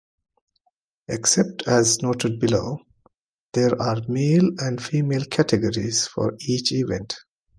Except as noted below, there are male and female categories for each event.